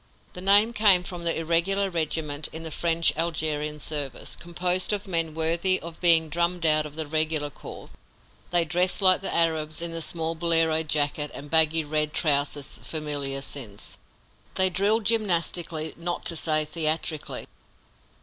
The name came from the irregular regiment in the French Algerian service, composed of men worthy of being drummed out of the regular corps; they dressed like the Arabs in the small bolero jacket and baggy red, trousers familiar since. They drilled gymnastically, not to say theatrically.